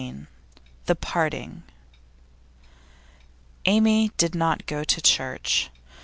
THE PARTING Amy did not go to church.